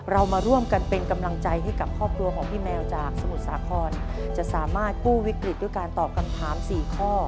เรามาร่วมกันเป็นกำลังใจให้กับครอบครัวของพี่แมวจากสมุทรสาครจะสามารถกู้วิกฤตด้วยการตอบคำถาม๔ข้อ